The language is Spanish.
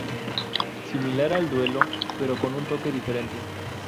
Similar al duelo pero con un toque diferente.